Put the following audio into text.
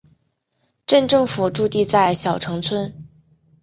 镇政府驻地在筱埕村。